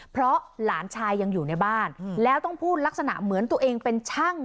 เพราะหลานชายยังอยู่ในบ้านแล้วต้องพูดลักษณะเหมือนตัวเองเป็นช่าง